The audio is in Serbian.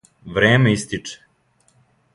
Време истиче.